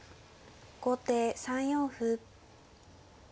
後手３四歩。